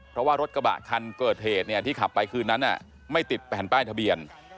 เพราะว่ารถกระบะคันเกิดเหตุที่ขับไปคืนนั้นไม่ติดแผ่นป้ายทะเบียน